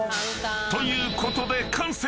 ［ということで完成！］